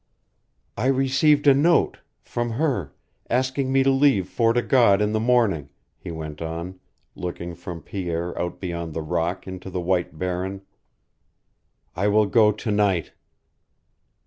"I received a note from her, asking me to leave Fort o' God in the morning," he went on, looking from Pierre out beyond the rock into the white barren. "I will go to night."